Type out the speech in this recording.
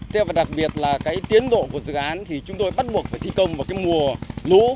thế và đặc biệt là cái tiến độ của dự án thì chúng tôi bắt buộc phải thi công vào cái mùa lũ